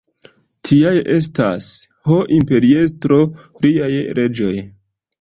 Tiaj estas, ho imperiestro, liaj leĝoj.